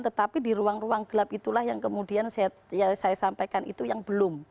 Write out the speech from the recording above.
tetapi di ruang ruang gelap itulah yang kemudian saya sampaikan itu yang belum